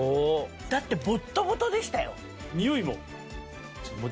だってボットボトでしたよ。